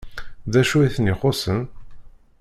D acu i ten-ixuṣṣen?